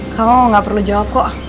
kamu gak perlu jawab kok